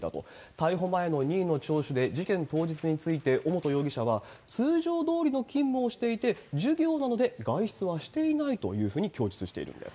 逮捕前の任意の聴取で、事件当日について尾本容疑者は、通常どおりの勤務をしていて、授業なので、外出はしていないというふうに供述しています。